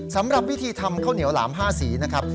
สำหรับวิธีทำข้าวเหนียวหลาม๕สีนะครับ